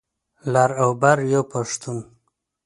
لر او بر یو پښتون.